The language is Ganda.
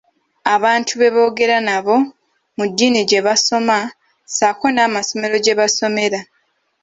Abantu be boogera nabo, mu ddiini gye basoma, ssaako n'amasomero gye basomera.